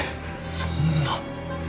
そんな。